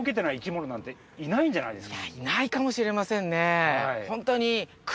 いやいないかもしれませんね。